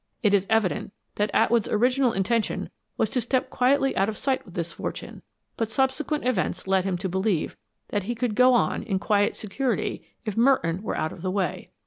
It is evident that Atwood's original intention was to step quietly out of sight with this fortune, but subsequent events led him to believe that he could go on in quiet security if Merton were out of the way.